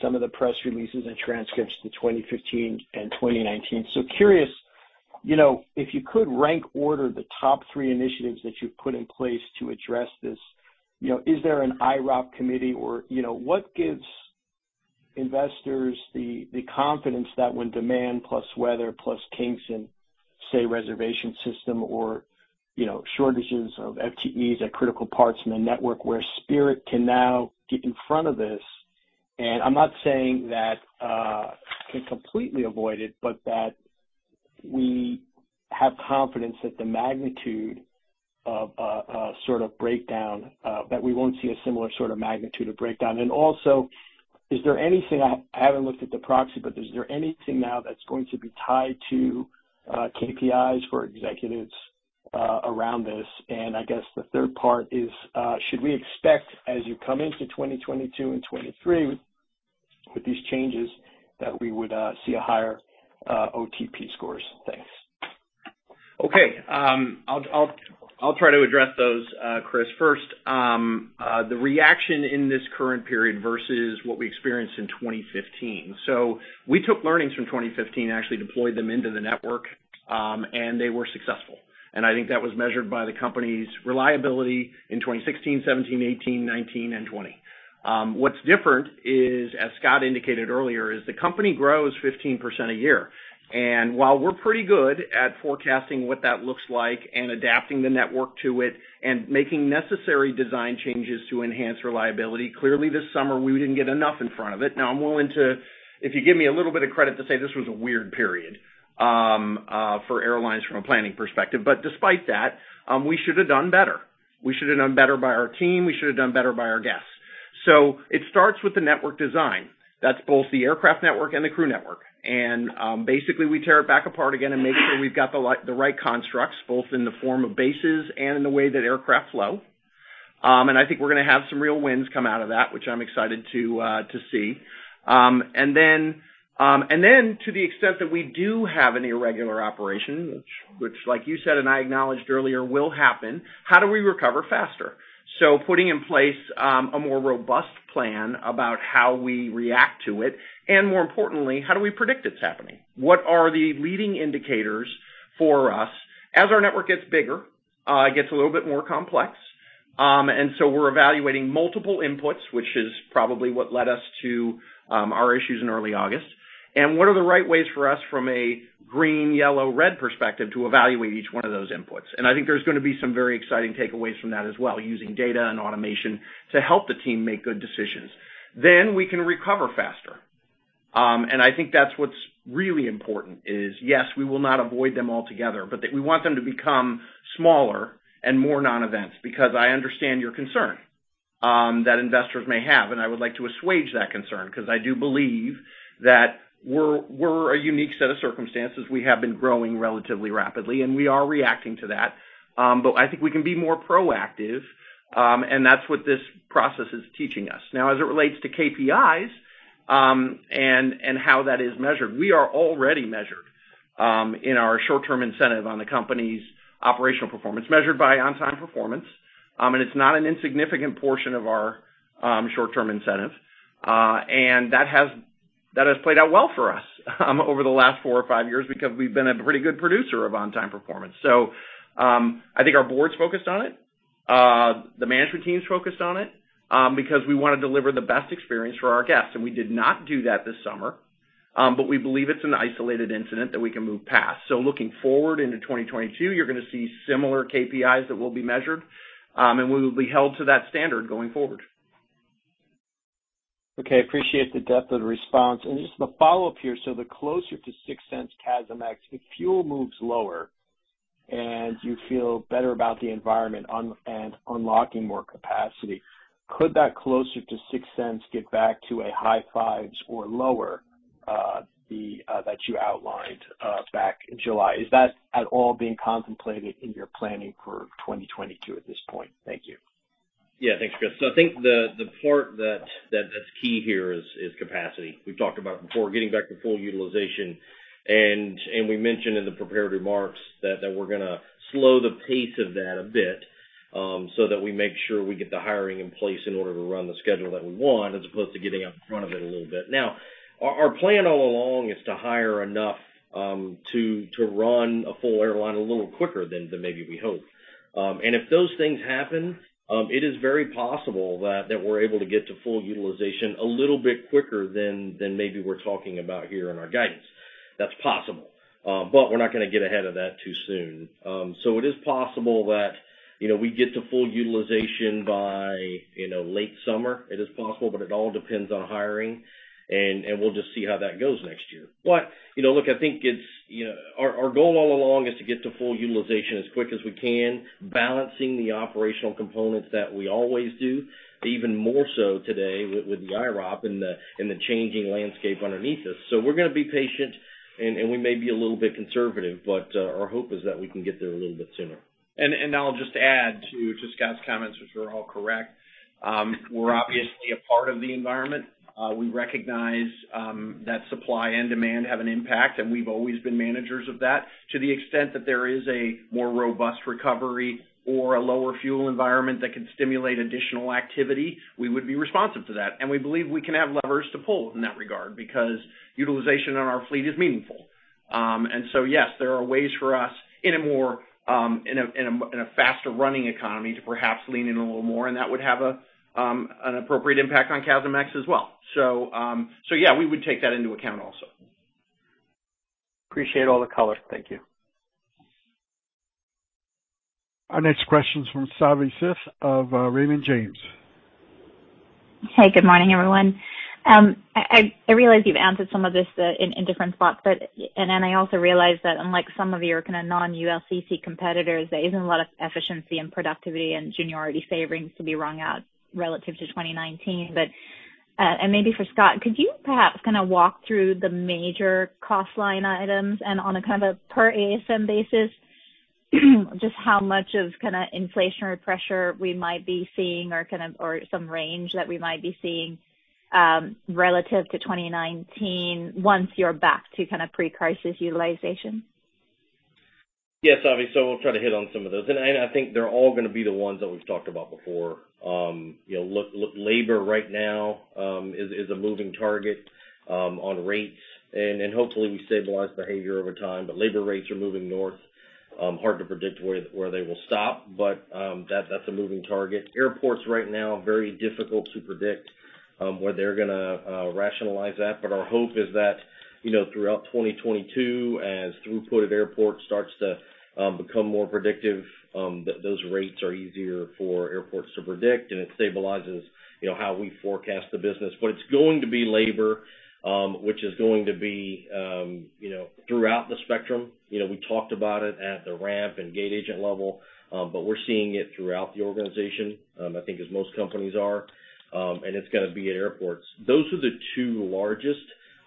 some of the press releases and transcripts from 2015 and 2019. Curious, you know, if you could rank order the top three initiatives that you've put in place to address this. You know, is there an IROP committee or, you know, what gives investors the confidence that when demand plus weather plus kinks in the reservation system or, you know, shortages of FTEs at critical parts in the network where Spirit Airlines can now get in front of this, and I'm not saying that can completely avoid it, but that we have confidence that the magnitude of a sort of breakdown that we won't see a similar sort of magnitude of breakdown. Also, is there anything—I haven't looked at the proxy, but is there anything now that's going to be tied to KPIs for executives around this? I guess the third part is, should we expect, as you come into 2022 and 2023 with these changes, that we would see a higher OTP score? Thanks. Okay. I'll try to address those, Chris. First, the reaction in this current period versus what we experienced in 2015. We took learnings from 2015 and actually deployed them into the network, and they were successful. I think that was measured by the company's reliability in 2016, 2017, 2018, 2019, and 2020. What's different is, as Scott indicated earlier, the company grows 15% a year. While we're pretty good at forecasting what that looks like and adapting the network to it and making necessary design changes to enhance reliability, clearly this summer we didn't get enough in front of it. I'm willing to, if you give me a little bit of credit, say this was a weird period for airlines from a planning perspective. Despite that, we should have done better. We should have done better by our team. We should have done better by our guests. It starts with the network design. That's both the aircraft network and the crew network. We tear it back apart again and make sure we've got the right constructs, both in the form of bases and in the way that aircraft flow. I think we're gonna have some real wins come out of that, which I'm excited to see. To the extent that we do have an irregular operation, which like you said and I acknowledged earlier will happen, how do we recover faster? Putting in place a more robust plan about how we react to it, and more importantly, how do we predict it's happening? What are the leading indicators for us? As our network gets bigger, it gets a little bit more complex. We're evaluating multiple inputs, which is probably what led us to our issues in early August. What are the right ways for us from a green, yellow, red perspective to evaluate each one of those inputs. I think there's gonna be some very exciting takeaways from that as well, using data and automation to help the team make good decisions. We can recover faster. I think that's what's really important is, yes, we will not avoid them altogether, but that we want them to become smaller and more non-events, because I understand your concern, that investors may have, and I would like to assuage that concern because I do believe that we're a unique set of circumstances. We have been growing relatively rapidly, and we are reacting to that. I think we can be more proactive, and that's what this process is teaching us. Now, as it relates to KPIs, and how that is measured, we are already measured in our short-term incentive on the company's operational performance, measured by on-time performance. It's not an insignificant portion of our short-term incentive. That has played out well for us over the last four or five years because we've been a pretty good producer of on-time performance. I think our board's focused on it. The management team is focused on it because we wanna deliver the best experience for our guests. We did not do that this summer, but we believe it's an isolated incident that we can move past. Looking forward into 2022, you're gonna see similar KPIs that will be measured, and we will be held to that standard going forward. Okay. Appreciate the depth of the response. Just the follow-up here. The closer to $0.06 CASM ex, if fuel moves lower and you feel better about the environment and unlocking more capacity, could that closer to $0.06 get back to a high $0.05 or lower, the that you outlined back in July? Is that at all being contemplated in your planning for 2022 at this point? Thank you. Yeah. Thanks, Chris. I think the part that's key here is capacity. We've talked about before getting back to full utilization, and we mentioned in the prepared remarks that we're gonna slow the pace of that a bit, so that we make sure we get the hiring in place in order to run the schedule that we want as opposed to getting out in front of it a little bit. Now, our plan all along is to hire enough to run a full airline a little quicker than maybe we hope. If those things happen, it is very possible that we're able to get to full utilization a little bit quicker than maybe we're talking about here in our guidance. That's possible. But we're not gonna get ahead of that too soon. It is possible that, you know, we get to full utilization by, you know, late summer. It is possible, but it all depends on hiring, and we'll just see how that goes next year. You know, look, I think it's, you know, our goal all along is to get to full utilization as quick as we can, balancing the operational components that we always do, even more so today with the IROP and the changing landscape underneath us. We're gonna be patient and we may be a little bit conservative, but our hope is that we can get there a little bit sooner. I'll just add to Scott's comments, which are all correct. We're obviously a part of the environment. We recognize that supply and demand have an impact, and we've always been managers of that. To the extent that there is a more robust recovery or a lower fuel environment that can stimulate additional activity, we would be responsive to that. We believe we can have levers to pull in that regard because utilization on our fleet is meaningful. Yes, there are ways for us in a more, in a faster-running economy to perhaps lean in a little more, and that would have an appropriate impact on CASM ex as well. Yeah, we would take that into account also. Appreciate all the color. Thank you. Our next question is from Savi Syth of Raymond James. Hey, good morning, everyone. I realize you've answered some of this in different spots, but and then I also realize that unlike some of your kinda non-ULCC competitors, there isn't a lot of efficiency and productivity and seniority savings to be wrung out relative to 2019. Maybe for Scott, could you perhaps kinda walk through the major cost line items and on a kind of a per ASM basis, just how much of kinda inflationary pressure we might be seeing or some range that we might be seeing relative to 2019 once you're back to kind of pre-crisis utilization? Yes, Savi, we'll try to hit on some of those. I think they're all gonna be the ones that we've talked about before. You know, labor right now is a moving target on rates. Hopefully we stabilize behavior over time, but labor rates are moving north. Hard to predict where they will stop, but that's a moving target. Airports right now very difficult to predict where they're gonna rationalize that. Our hope is that, you know, throughout 2022, as throughput at airports starts to become more predictive, those rates are easier for airports to predict, and it stabilizes, you know, how we forecast the business. It's going to be labor, which is going to be, you know, throughout the spectrum. You know, we talked about it at the ramp and gate agent level, but we're seeing it throughout the organization, I think as most companies are. It's gonna be at airports. Those are the two largest.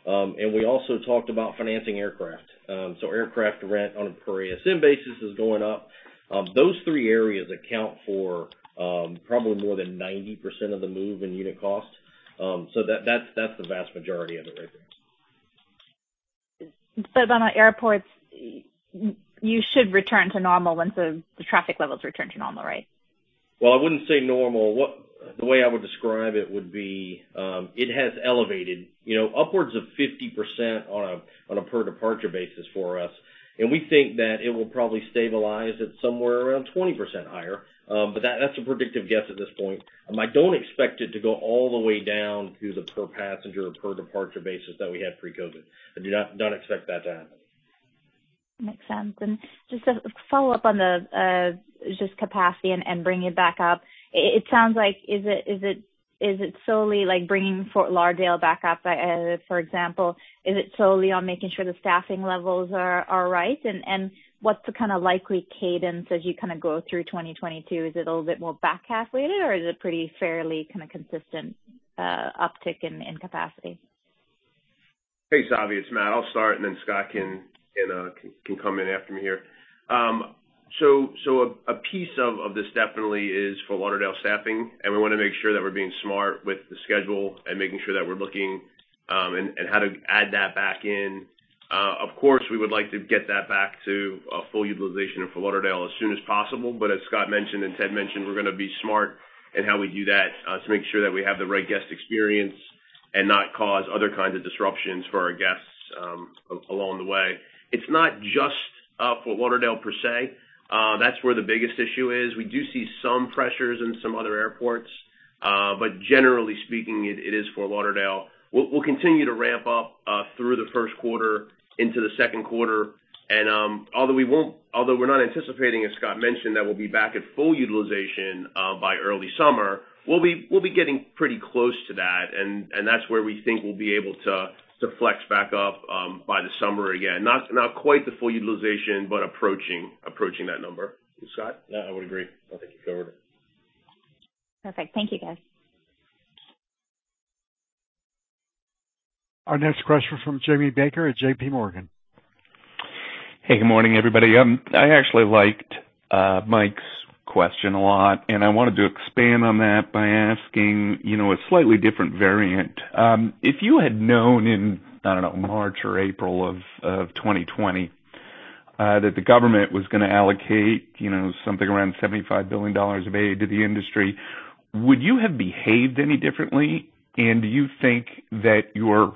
We also talked about financing aircraft. Aircraft rent on a per ASM basis is going up. Those three areas account for probably more than 90% of the move in unit costs. That's the vast majority of it right there. On airports, you should return to normal once the traffic levels return to normal, right? Well, I wouldn't say normal. The way I would describe it would be, it has elevated, you know, upwards of 50% on a per departure basis for us. We think that it will probably stabilize at somewhere around 20% higher. But that's a predictive guess at this point. I don't expect it to go all the way down to the per passenger or per departure basis that we had pre-COVID-19. I don't expect that to happen. Makes sense. Just a follow-up on the just capacity and bringing it back up. It sounds like is it solely like bringing Fort Lauderdale back up, for example? Is it solely on making sure the staffing levels are right? What's the kinda likely cadence as you kinda go through 2022? Is it a little bit more back-half weighted, or is it pretty fairly kinda consistent uptick in capacity? Hey, Savi, it's Matt. I'll start, and then Scott can come in after me here. So a piece of this definitely is Fort Lauderdale staffing, and we wanna make sure that we're being smart with the schedule and making sure that we're looking and how to add that back in. Of course, we would like to get that back to a full utilization in Fort Lauderdale as soon as possible. As Scott mentioned, and Ted mentioned, we're gonna be smart in how we do that to make sure that we have the right guest experience and not cause other kinds of disruptions for our guests along the way. It's not just Fort Lauderdale per se. That's where the biggest issue is. We do see some pressures in some other airports. Generally speaking, it is Fort Lauderdale. We'll continue to ramp up through the first quarter into the second quarter. Although we're not anticipating, as Scott mentioned, that we'll be back at full utilization by early summer, we'll be getting pretty close to that. That's where we think we'll be able to flex back up by the summer again. Not quite the full utilization but approaching that number. Scott? Yeah, I would agree. I think you covered it. Perfect. Thank you, guys. Our next question from Jamie Baker at JPMorgan. Hey, good morning, everybody. I actually liked Mike's question a lot, and I wanted to expand on that by asking, you know, a slightly different variant. If you had known in, I don't know, March or April of 2020, that the government was gonna allocate, you know, something around $75 billion of aid to the industry, would you have behaved any differently? And do you think that your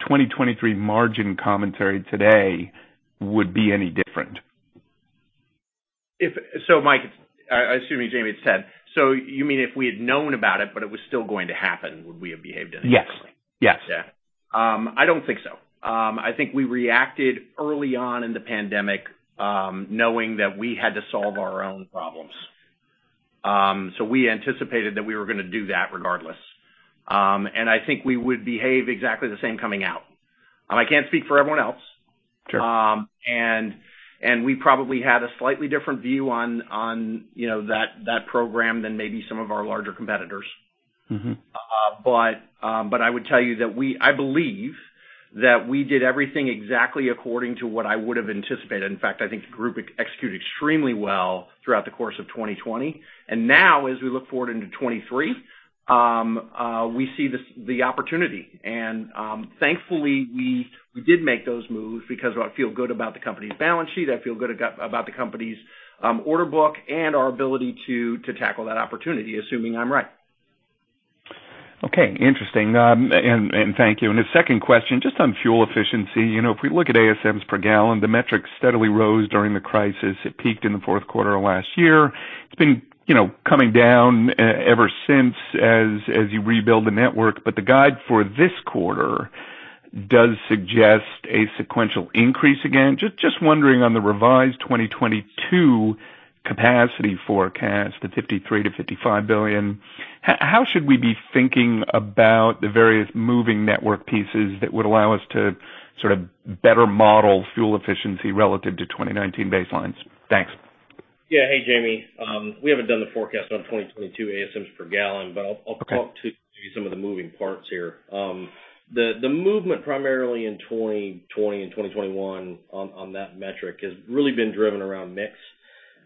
2023 margin commentary today would be any different? Mike, assuming Jamie, it's Ted. You mean if we had known about it, but it was still going to happen, would we have behaved any differently? Yes. Yes. Yeah. I don't think so. I think we reacted early on in the pandemic, knowing that we had to solve our own problems. We anticipated that we were gonna do that regardless. I think we would behave exactly the same coming out. I can't speak for everyone else. Sure. We probably had a slightly different view on, you know, that program than maybe some of our larger competitors. Mm-hmm. I would tell you that I believe that we did everything exactly according to what I would have anticipated. In fact, I think the group executed extremely well throughout the course of 2020. Now, as we look forward into 2023, we see the opportunity. Thankfully, we did make those moves because I feel good about the company's balance sheet. I feel good about the company's order book and our ability to tackle that opportunity, assuming I'm right. Okay. Interesting. Thank you. A second question, just on fuel efficiency. You know, if we look at ASMs per gallon, the metric steadily rose during the crisis. It peaked in the fourth quarter of last year. It's been, you know, coming down ever since as you rebuild the network. The guide for this quarter does suggest a sequential increase again. Just wondering on the revised 2022 capacity forecast, the 53-55 billion, how should we be thinking about the various moving network pieces that would allow us to sort of better model fuel efficiency relative to 2019 baselines? Thanks. Yeah. Hey, Jamie. We haven't done the forecast on 2022 ASMs per gallon. Okay. I'll talk to you some of the moving parts here. The movement primarily in 2020 and 2021 on that metric has really been driven around mix,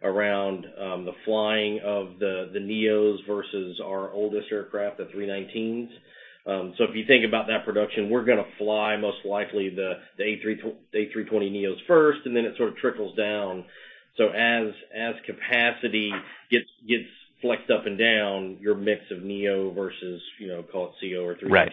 around the flying of the NEOs versus our oldest aircraft, the 319s. If you think about that production, we're gonna fly most likely the A320neo first, and then it sort of trickles down. As capacity gets flexed up and down, your mix of NEO versus, you know, call it CEO or 319- Right.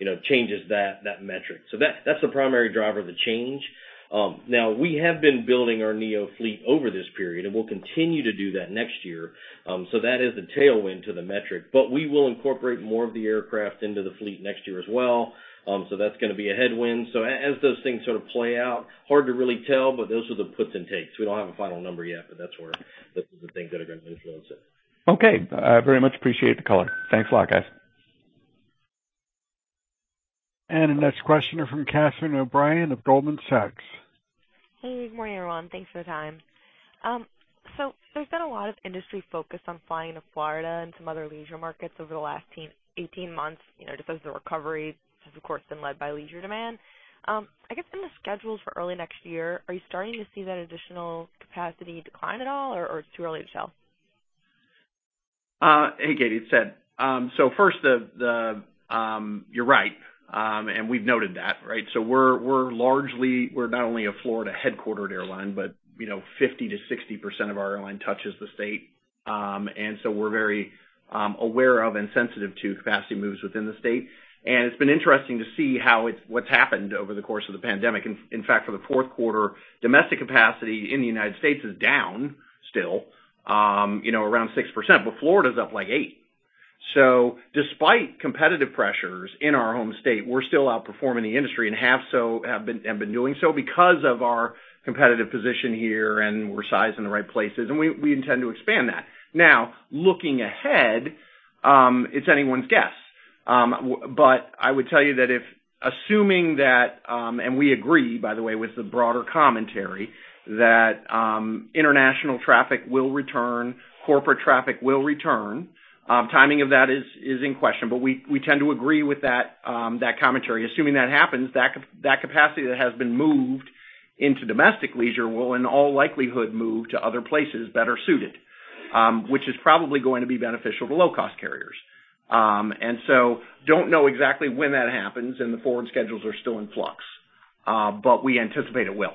You know, changes that metric. That's the primary driver of the change. Now we have been building our NEO fleet over this period, and we'll continue to do that next year. That is a tailwind to the metric. We will incorporate more of the aircraft into the fleet next year as well, that's gonna be a headwind. As those things sort of play out, hard to really tell, but those are the puts and takes. We don't have a final number yet, but that's where those are the things that are gonna influence it. Okay. I very much appreciate the color. Thanks a lot, guys. The next questioner from Catherine O'Brien of Goldman Sachs. Hey, good morning, everyone. Thanks for the time. So there's been a lot of industry focus on flying to Florida and some other leisure markets over the last 18 months, you know, just as the recovery has of course been led by leisure demand. I guess in the schedules for early next year, are you starting to see that additional capacity decline at all or it's too early to tell? Hey, Catherine. It's Ted. First, you're right, and we've noted that, right? We're largely not only a Florida-headquartered airline, but you know, 50%-60% of our airline touches the state. We're very aware of and sensitive to capacity moves within the state. It's been interesting to see what's happened over the course of the pandemic. In fact, for the fourth quarter, domestic capacity in the United States is down still, you know, around 6%, but Florida is up, like, 8%. Despite competitive pressures in our home state, we're still outperforming the industry and have been doing so because of our competitive position here and we're sized in the right places, and we intend to expand that. Now, looking ahead, it's anyone's guess. I would tell you that if assuming that, and we agree, by the way, with the broader commentary, that international traffic will return, corporate traffic will return, timing of that is in question. We tend to agree with that commentary. Assuming that happens, that capacity that has been moved into domestic leisure will in all likelihood move to other places better suited, which is probably going to be beneficial to low-cost carriers. Don't know exactly when that happens and the forward schedules are still in flux, but we anticipate it will.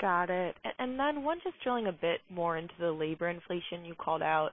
Got it. One, just drilling a bit more into the labor inflation you called out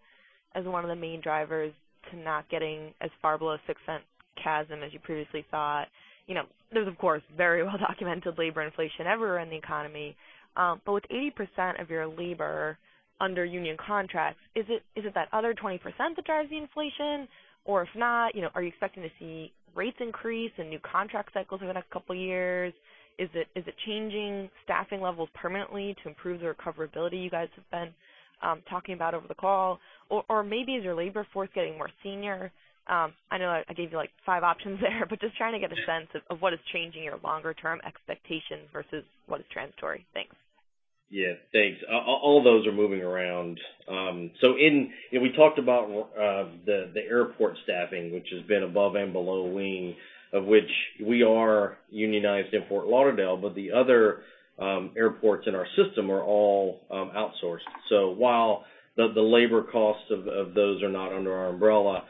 as one of the main drivers to not getting as far below $0.06 CASM as you previously thought. You know, there's of course very well-documented labor inflation everywhere in the economy. But with 80% of your labor under union contracts, is it that other 20% that drives the inflation? Or if not, you know, are you expecting to see rates increase and new contract cycles over the next couple years? Is it changing staffing levels permanently to improve the recoverability you guys have been talking about on the call? Or maybe is your labor force getting more senior? I know I gave you, like, five options there, but just trying to get a sense of what is changing your longer-term expectations versus what is transitory. Thanks. Yeah, thanks. All those are moving around. You know, we talked about the airport staffing, which has been above and below wing, of which we are unionized in Fort Lauderdale, but the other airports in our system are all outsourced. While the labor costs of those are not under our umbrella,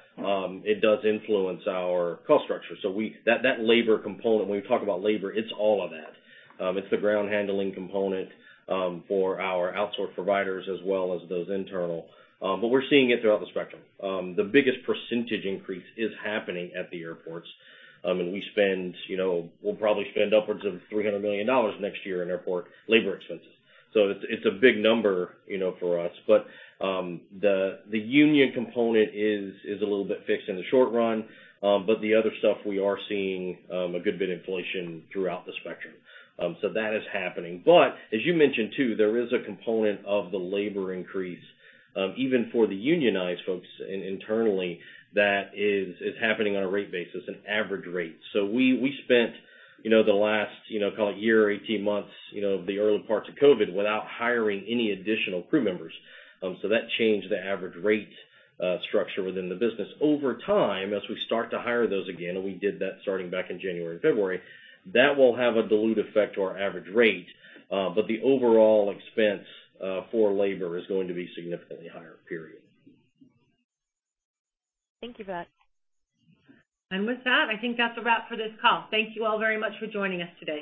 it does influence our cost structure. That labor component, when we talk about labor, it's all of that. It's the ground handling component for our outsourced providers as well as those internal. But we're seeing it throughout the spectrum. The biggest percentage increase is happening at the airports. We spend, you know, we'll probably spend upwards of $300 million next year in airport labor expenses. It's a big number, you know, for us. The union component is a little bit fixed in the short run, but the other stuff we are seeing a good bit inflation throughout the spectrum. That is happening. As you mentioned too, there is a component of the labor increase, even for the unionized folks internally that is happening on a rate basis, an average rate. We spent, you know, the last, you know, call it year, 18 months, you know, the early parts of COVID-19 without hiring any additional crew members. That changed the average rate structure within the business. Over time, as we start to hire those again, and we did that starting back in January and February, that will have a dilute effect to our average rate, but the overall expense, for labor is going to be significantly higher, period. Thank you for that. With that, I think that's a wrap for this call. Thank you all very much for joining us today.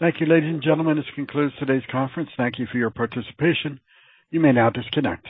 Thank you, ladies and gentlemen. This concludes today's conference. Thank you for your participation. You may now disconnect.